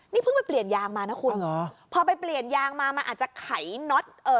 นี่เพิ่งไปเปลี่ยนยางมานะคุณเหรอพอไปเปลี่ยนยางมามันอาจจะไขน็อตเอ่อ